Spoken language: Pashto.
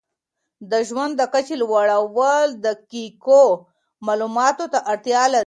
د ژوند د کچې لوړول دقیقو معلوماتو ته اړتیا لري.